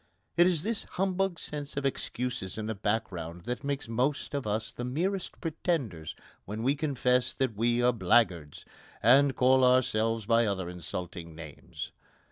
It is this humbug sense of excuses in the background that makes most of us the merest pretenders when we confess that we are blackguards, and call ourselves by other insulting names.